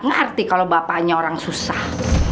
ngerti kalau bapaknya orang susah